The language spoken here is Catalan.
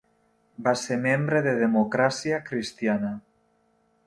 Va ser membre de Democràcia Cristiana.